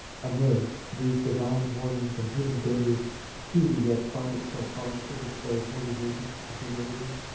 I0 Amid these divine warnings and human dangers, do we yet find it so hard to persuade holy virgins to humility